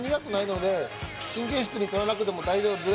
神経質に取らなくても大丈夫です。